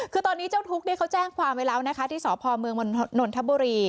คือตอนนี้เจ้าทุกข์เขาแจ้งความไว้แล้วนะคะที่สพเมืองนนทบุรี